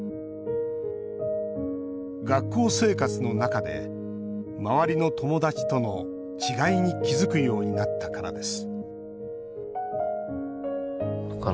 学校生活の中で周りの友達との違いに気付くようになったからです